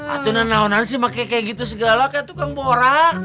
itu nana nana sih pake kayak gitu segala kayak tukang porak